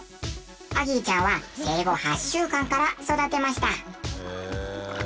アギーちゃんは生後８週間から育てました。